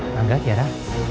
malam lagi ya rad